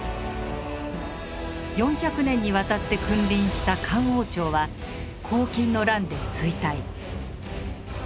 ４００年にわたって君臨した漢王朝は黄巾の乱で衰退。